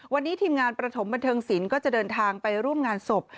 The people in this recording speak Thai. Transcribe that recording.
วันนี้ทีมงานประถมบันเทิงศิลป์ก็จะเดินทางไปร่วมงานศพ